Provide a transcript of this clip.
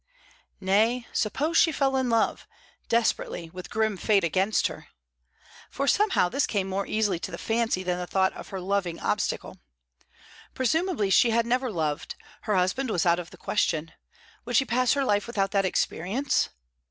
Nay, suppose she fell in love desperately, with grim fate against her? For somehow this came more easily to the fancy than the thought of her loving without obstacle. Presumably she had never loved; her husband was out of the question. Would she pass her life without that experience?